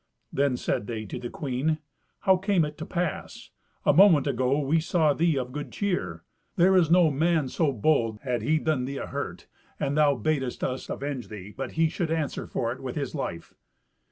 Then said they to the queen, "How came it to pass? A moment ago we saw thee of good cheer. There is no man so bold, had he done thee a hurt, and thou badest us avenge thee, but he should answer for it with his life."